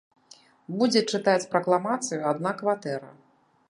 Будзе чытаць пракламацыю адна кватэра.